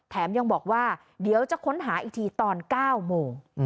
ยังบอกว่าเดี๋ยวจะค้นหาอีกทีตอน๙โมง